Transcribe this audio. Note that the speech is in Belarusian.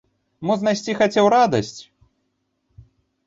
Мо знайсці хацеў радасць?